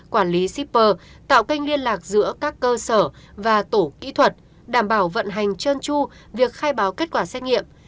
quản lý sipr tạo kênh liên lạc giữa các cơ sở và tổ kỹ thuật đảm bảo vận hành chân chu việc khai báo kết quả xét nghiệm